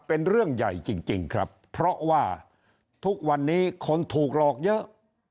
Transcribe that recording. เป็นเรื่องใหญ่จริงครับเพราะว่าทุกวันนี้คนถูกหลอกเยอะ